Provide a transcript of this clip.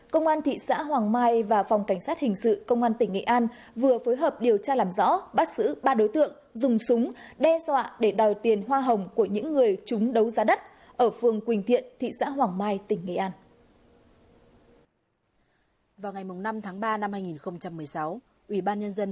công an thị xã hoàng mai và phòng cảnh sát hình sự công an tỉnh nghệ an vừa phối hợp điều tra làm rõ bắt xử ba đối tượng dùng súng đe dọa để đòi tiền hoa hồng của những người chúng đấu giá đất ở phường quỳnh thiện thị xã hoàng mai tỉnh nghệ an